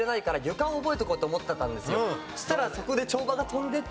そしたらそこで。